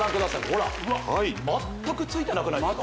ほら全く付いてなくないですか？